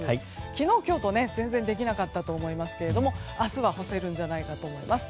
昨日、今日と全然できなかったと思いますが明日は干せるんじゃないかと思います。